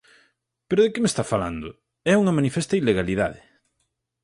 Pero ¿de que me está falando? É unha manifesta ilegalidade.